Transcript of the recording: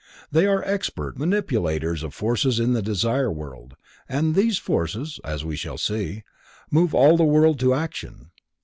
They are expert manipulators of forces in the Desire World, and these forces, as we shall see, move all the world to action.